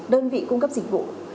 đơn vị cung cấp dịch vụ